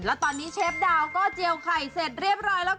แล้วตอนนี้เชฟดาวก็เจียวไข่เสร็จเรียบร้อยแล้วค่ะ